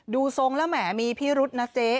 ทรงแล้วแหมมีพิรุษนะเจ๊